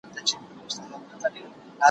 چلېدل يې په ښارونو كي حكمونه